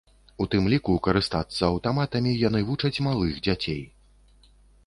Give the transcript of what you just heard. У тым ліку, карыстацца аўтаматамі яны вучаць малых дзяцей.